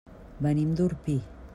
Venim d'Orpí.